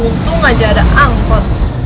untung aja ada angkot